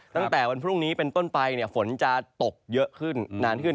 ตั้งแต่วันพรุ่งนี้เป็นต้นไปฝนจะตกเยอะขึ้นนานขึ้น